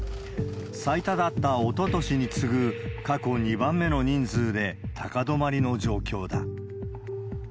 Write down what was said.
最多だったおととしに次ぐ過去２番目の人数で、高止まりの状況だ。